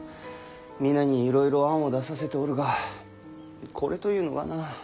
皆にいろいろ案を出させておるがこれというのがなあ。